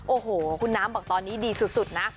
โอ้โหคุณน้ำบอกตอนนี้ดีสุดนะ